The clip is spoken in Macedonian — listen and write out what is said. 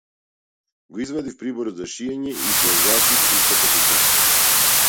Го извадив приборот за шиење и си ја зашив устата со црв.